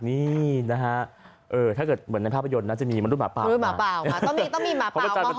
นี่นะฮะถ้าเกิดเหมือนในภาพยนตร์น่าจะมีมรุ่นหมาเปล่าต้องมีหมาเปล่ามาหอนก่อน